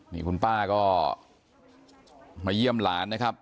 นี่คุณป้าก็มาเยี่ยมหลานนะครับ